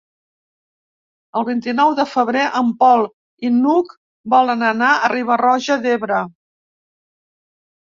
El vint-i-nou de febrer en Pol i n'Hug volen anar a Riba-roja d'Ebre.